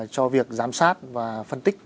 cho việc giám sát và phân tích